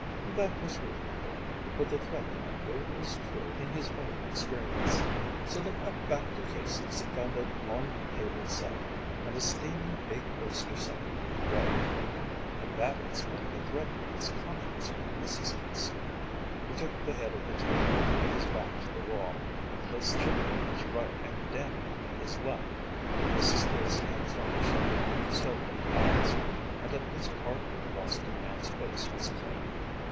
That was reasonable, for the Thread Man knew it was true in his own experience. So they got back to Casey's, and found a long table set, and a steaming big oyster supper ready for them; and that explained the Thread Man's conference with Mrs. Casey. He took the head of the table, with his back to the wall, and placed Jimmy on his right and Dannie on his left. Mrs. Casey had furnished soap and towels, and at least part of the Boston man's face was clean.